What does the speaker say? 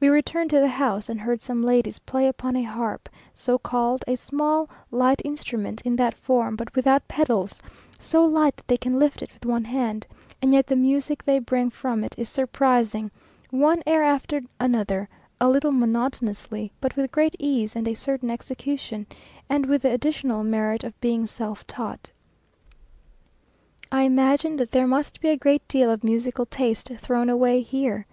We returned to the house, and heard some ladies play upon a harp, so called, a small, light instrument in that form, but without pedals, so light, that they can lift it with one hand; and yet the music they bring from it is surprising; one air after another, a little monotonously, but with great ease and a certain execution, and with the additional merit of being self taught. I imagine that there must be a great deal of musical taste thrown away here.